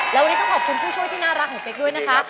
แล้ววันนี้ต้องขอบคุณผู้ช่วยที่น่ารักของเป๊กด้วยนะคะ